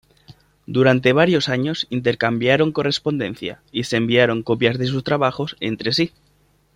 Durante varios años intercambiaron correspondencia y se enviaron copias de sus trabajos entre sí.